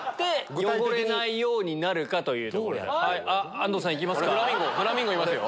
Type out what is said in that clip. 安藤さんいきますか。